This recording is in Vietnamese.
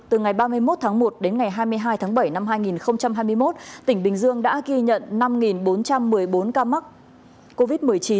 từ ngày ba mươi một tháng một đến ngày hai mươi hai tháng bảy năm hai nghìn hai mươi một tỉnh bình dương đã ghi nhận năm bốn trăm một mươi bốn ca mắc covid một mươi chín